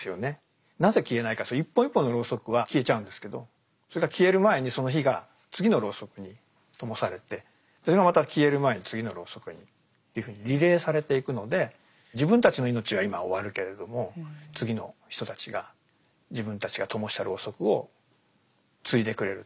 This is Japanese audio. なぜ消えないかというと一本一本のロウソクは消えちゃうんですけどそれが消える前にその火が次のロウソクに灯されてそれがまた消える前に次のロウソクにというふうにリレーされていくので自分たちの命は今終わるけれども次の人たちが自分たちが灯したロウソクを継いでくれる。